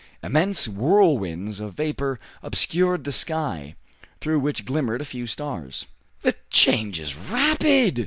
Immense whirlwinds of vapor obscured the sky, through which glimmered a few stars. "The change is rapid!"